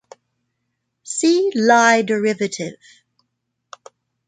See Lie derivative.